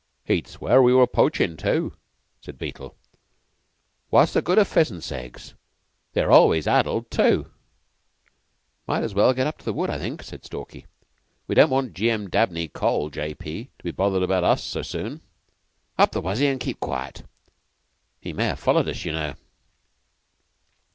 "He'd swear we were poachin', too," said Beetle. "What's the good of pheasants' eggs? They're always addled, too." "Might as well get up to the wood, I think," said Stalky. "We don't want G. M. Dabney, Col., J.P., to be bothered about us so soon. Up the wuzzy and keep quiet! He may have followed us, you know."